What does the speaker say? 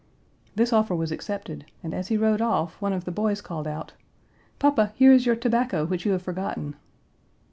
This offer was accepted, and, as he rode off, one of the boys called out, "Papa, here is your tobacco, which you have forgotten."